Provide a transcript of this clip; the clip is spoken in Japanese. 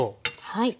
はい。